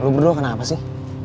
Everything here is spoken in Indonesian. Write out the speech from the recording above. lo berdua kenapa sih